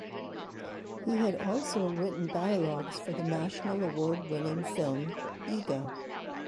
He had also written dialogues for the National Award Winning Film Eega.